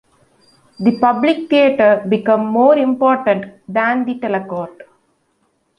The Public Theater became more important than the Delacorte.